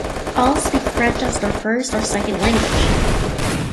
All speak French as their first or second language.